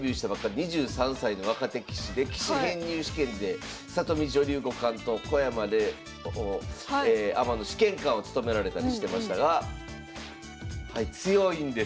２３歳の若手棋士で棋士編入試験で里見女流五冠と小山怜央アマの試験官を務められたりしてましたが強いんです。